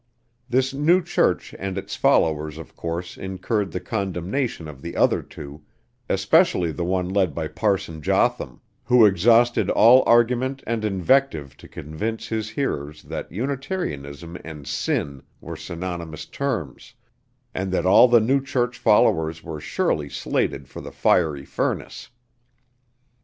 This new church and its followers of course incurred the condemnation of the other two, especially the one led by Parson Jotham, who exhausted all argument and invective to convince his hearers that Unitarianism and sin were synonymous terms, and that all the new church followers were surely slated for the fiery furnace.